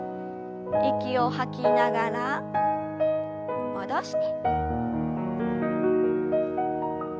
息を吐きながら戻して。